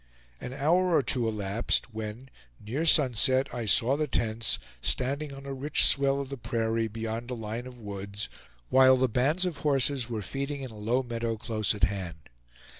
An hour or two elapsed, when, near sunset, I saw the tents, standing on a rich swell of the prairie, beyond a line of woods, while the bands of horses were feeding in a low meadow close at hand.